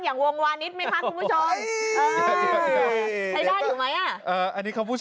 อย่างวางวางงานิดมั้ยคะคุณผู้ชม